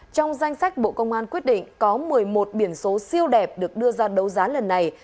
trong danh sách bộ công an quyết định có một mươi một biển số siêu đẹp được đưa ra đấu giá lần này